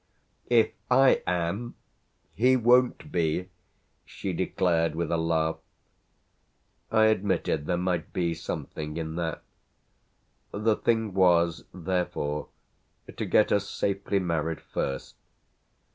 "If I am, he won't be!" she declared with a laugh. I admitted there might be something in that. The thing was therefore to get us safely married first.